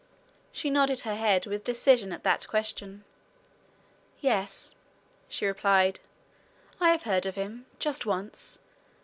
She nodded her head with decision at that question. "Yes," she replied, "I have heard of him just once.